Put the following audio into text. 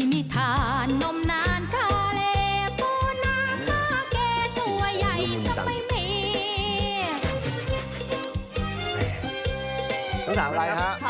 มีมีทานนมนานคาเลปูน้ำขาเกตัวยัยสักไม่มี